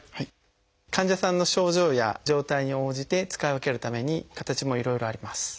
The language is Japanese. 患者さんの症状や状態に応じて使い分けるために形もいろいろあります。